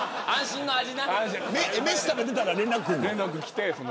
飯食べてたら連絡くるの。